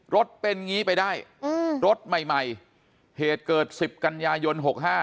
รถเป็นอย่างนี้ไปได้รถใหม่เหตุเกิด๑๐กันยายน๖๕